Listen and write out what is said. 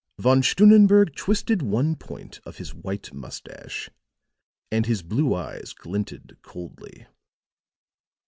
Von Stunnenberg twisted one point of his white moustache, and his blue eyes glinted coldly.